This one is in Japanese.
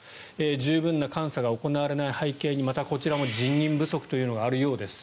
十分な監査が行われない背景にこちらも人員不足があるようです。